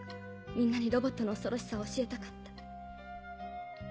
みんなにロボットの恐ろしさを教えたかった。